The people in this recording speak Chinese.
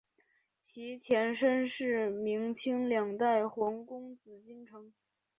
其前身是明清两代皇宫紫禁城。